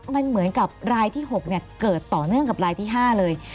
มันเหมือนกับรายที่๖เกิดต่อเนื่องกับรายที่๕เลย